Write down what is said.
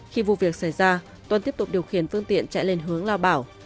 khi vụ việc xảy ra tuân tiếp tục điều khiển phương tiện chạy lên hướng lao bảo